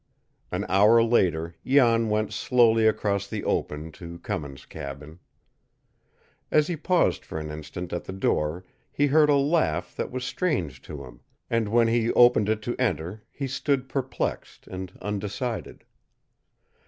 An hour later Jan went slowly across the open to Cummins' cabin. As he paused for an instant at the door he heard a laugh that was strange to him, and when he opened it to enter he stood perplexed and undecided.